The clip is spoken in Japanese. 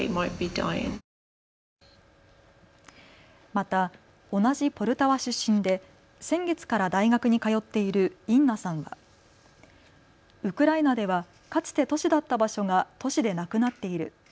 また同じポルタワ出身で先月から大学に通っているインナさんはウクライナではかつて都市だった場所が都市でなくなっている。